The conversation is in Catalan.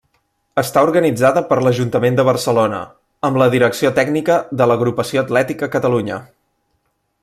Està organitzada per l'Ajuntament de Barcelona, amb la direcció tècnica de l'Agrupació Atlètica Catalunya.